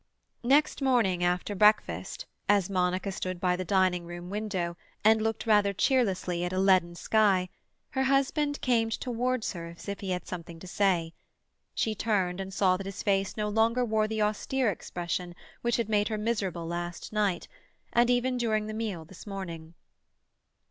Next morning after breakfast, as Monica stood by the dining room window and looked rather cheerlessly at a leaden sky, her husband came towards her as if he had something to say. She turned, and saw that his face no longer wore the austere expression which had made her miserable last night, and even during the meal this morning.